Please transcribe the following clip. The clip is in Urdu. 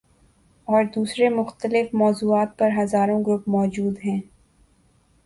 اور دوسرے مختلف موضوعات پر ہزاروں گروپ موجود ہیں۔